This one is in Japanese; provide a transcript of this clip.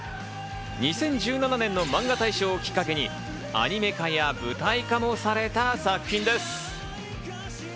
２０１７年のマンガ大賞をきっかけに、アニメ化や舞台化もされた作品です。